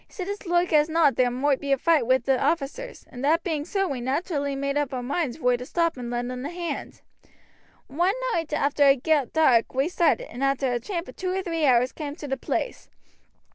"He said as loike as not there moight be a foight wi' the officers, and that being so we naterally made up our moinds vor to stop and lend un a hand. One night arter it got dark we started, and arter a tramp of two or three hours cam' to the place.